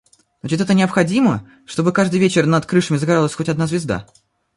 Значит – это необходимо, чтобы каждый вечер над крышами загоралась хоть одна звезда?!